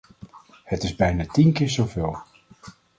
Het is bijna tien keer zo veel.